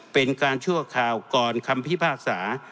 เป็นการชั่วคราวก่อนคำพิพากษา